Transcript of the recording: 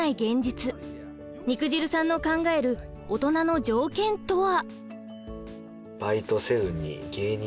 肉汁さんの考えるオトナの条件とは？